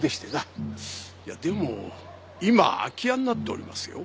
いやでも今は空き家になっておりますよ。